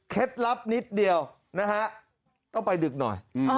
ลับนิดเดียวนะฮะต้องไปดึกหน่อย